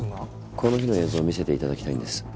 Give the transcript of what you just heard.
この日の映像見せていただきたいんです。